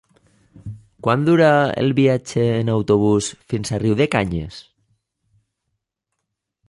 Quant dura el viatge en autobús fins a Riudecanyes?